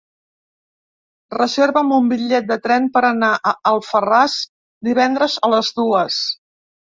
Reserva'm un bitllet de tren per anar a Alfarràs divendres a les dues.